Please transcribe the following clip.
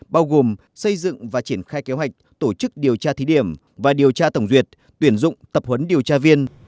bao gồm xây dựng và triển khai kế hoạch tổ chức điều tra thí điểm và điều tra tổng duyệt tuyển dụng tập huấn điều tra viên